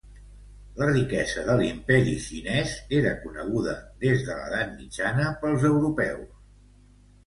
La riquesa de l'Imperi Xinès era coneguda, des de l'Edat Mitjana, pels europeus.